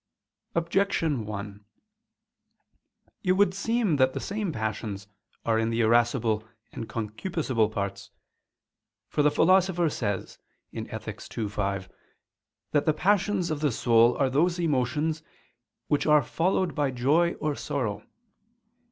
Objection 1: It would seem that the same passions are in the irascible and concupiscible parts. For the Philosopher says (Ethic. ii, 5) that the passions of the soul are those emotions "which are followed by joy or sorrow."